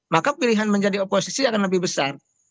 maka pilihan menjadi oposisi akan lebih besar